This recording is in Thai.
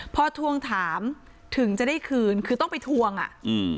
พอทวงถามถึงจะได้คืนคือต้องไปทวงอ่ะอืม